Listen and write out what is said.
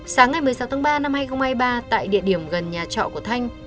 sáng ngày một mươi sáu tháng ba năm hai nghìn hai mươi ba tại địa điểm gần nhà trọ của thanh